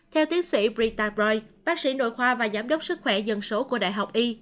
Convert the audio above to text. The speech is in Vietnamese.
theo tiến sĩ ritabroid bác sĩ nội khoa và giám đốc sức khỏe dân số của đại học y